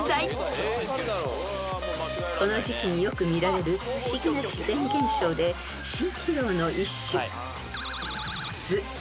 ［この時季によく見られる不思議な自然現象で蜃気楼の一種ず］